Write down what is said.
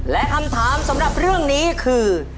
และคำถามสำหรับเรื่องนี้คือ